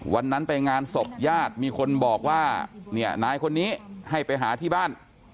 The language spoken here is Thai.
วันนั้นไปงานศพญาติมีคนบอกว่าเนี่ยนายคนนี้ให้ไปหาที่บ้าน